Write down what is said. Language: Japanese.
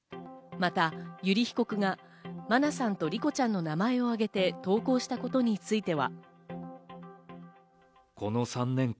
また油利被告が真菜さんと莉子ちゃんの名前を挙げて投稿したことについては。